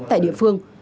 tại địa phương